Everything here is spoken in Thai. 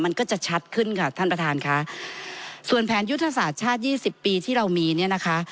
มันก็จะชัดขึ้นค่ะท่านประธานค่ะส่วนแผนยุทธศาสตร์ชาติยี่สิบปีที่เรามีเนี่ยนะคะ